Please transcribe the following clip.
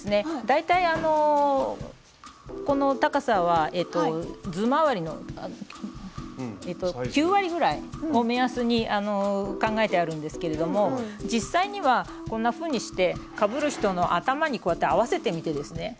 大体あのこの高さは頭回りの９割ぐらいを目安に考えてあるんですけれども実際にはこんなふうにしてかぶる人の頭にこうやって合わせてみてですね